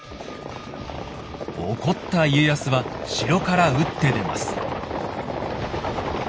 怒った家康は城から打って出ます。